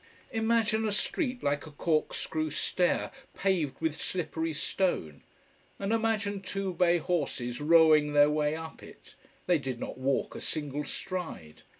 Imagine a street like a corkscrew stair, paved with slippery stone. And imagine two bay horses rowing their way up it: they did not walk a single stride.